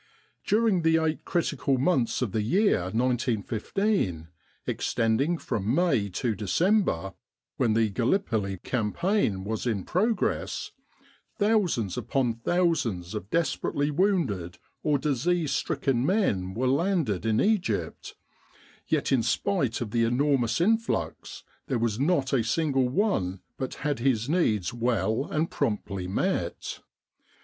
During the eight critical months of the year 1915, extending from May to December, when the Gallipoli Campaign was in pro gress, thousands upon thousands of desperately wounded or disease stricken men were landed in Egypt* yet in spite of the enormous influx, there was not a single one but had his needs well and promptly met.